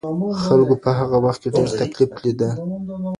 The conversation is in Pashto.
خلګو په هغه وخت کي ډېر تکليف ليده.